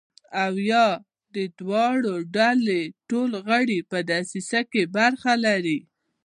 او یا د دواړو ډلو ټول غړي په دسیسه کې برخه لري.